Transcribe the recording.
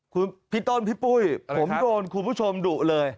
คุณพี่ต้นพี่ปุ้ยผมโดนคุณผู้ชมดุเลย